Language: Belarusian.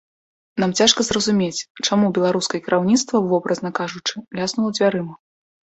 Нам цяжка зразумець, чаму беларускае кіраўніцтва, вобразна кажучы, ляснула дзвярыма.